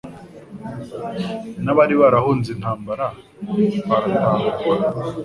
n'abari barahunze intambara baratahuka,